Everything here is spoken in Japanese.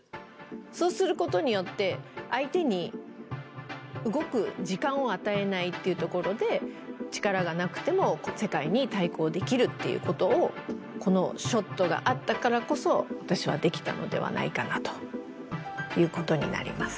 そうすることによって相手に動く時間を与えないっていうところで力がなくても世界に対抗できるっていうことをこのショットがあったからこそ私はできたのではないかなということになります。